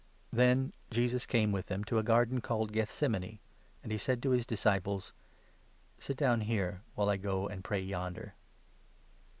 Jesus in Then Jesus came with them to a garden called 36 cethsemane. Gethsemane, and he said to his disciples :" Sit down here while I go and pray yonder."